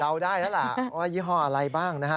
เราได้แล้วล่ะว่ายี่ห้ออะไรบ้างนะฮะ